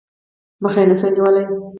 مخه یې نه سوای نیولای.